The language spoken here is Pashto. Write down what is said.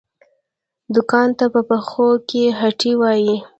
دوکان ته په پښتو کې هټۍ وايي